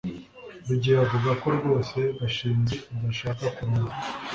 rugeyo avuga ko rwose gashinzi adashaka kurongorwa